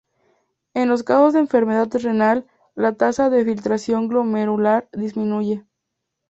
En los casos de enfermedad renal, la tasa de filtración glomerular disminuye.